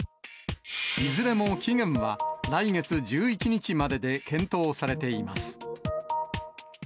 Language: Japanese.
いずれも期限は来月１１日までで検討されています。